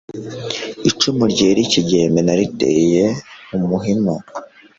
icumu ryera ikigembe nariteye umuhima